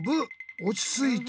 おちついて！